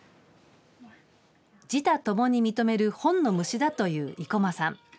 自他ともに認める本の虫だという生駒さん。